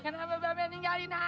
kenapa mbak mbak ninggalin ayah mbak